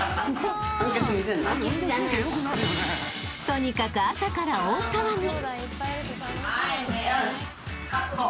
［とにかく朝から大騒ぎ！］